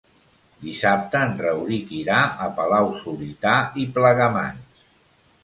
Dissabte en Rauric irà a Palau-solità i Plegamans.